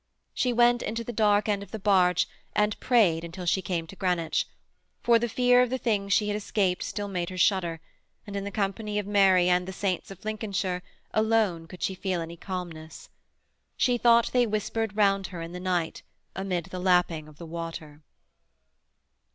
She went into the dark end of the barge and prayed until she came to Greenwich, for the fear of the things she had escaped still made her shudder, and in the company of Mary and the saints of Lincolnshire alone could she feel any calmness. She thought they whispered round her in the night amid the lapping of the water.